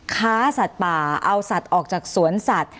ค้าสัตว์ป่าเอาสัตว์ออกจากสวนสัตว์